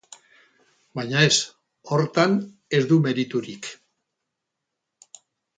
Baina ez, hortan ez du meriturik.